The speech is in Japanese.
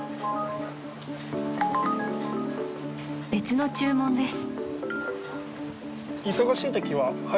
［別の注文です］